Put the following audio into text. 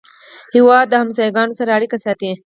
هېواد د ګاونډیو سره اړیکې ساتي.